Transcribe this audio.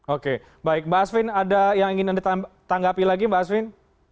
oke baik mbak asvin ada yang ingin anda tanggapi lagi mbak asvin